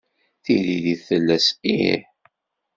Tiririt tella s "ih".